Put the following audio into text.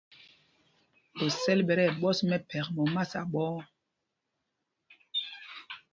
Osɛl ɓɛ̄ tí ɛɓɔ́s mɛphɛk mɛ omasa ɓɔ̄ɔ̄.